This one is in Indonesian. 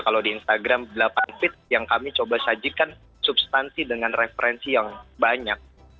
kalau di instagram delapan feet yang kami coba sajikan substansi dengan referensi yang banyak